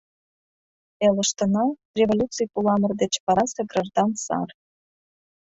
...Элыштына — революций пуламыр деч варасе граждан сар.